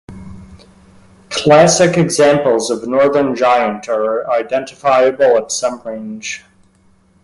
Classic examples of northern giant are identifiable at some range.